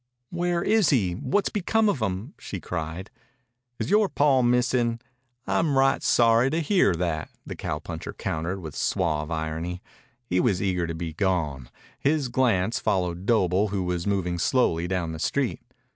"Where is he? What's become of him?" she cried. "Is yore paw missin'? I'm right sorry to hear that," the cowpuncher countered with suave irony. He was eager to be gone. His glance followed Doble, who was moving slowly down the street.